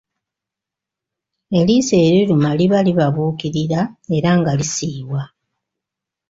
Eriiso eriruma liba libabuukirira era nga lisiiwa.